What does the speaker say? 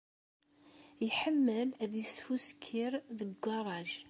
Iḥemmel ad yesfusker deg ugaṛaj.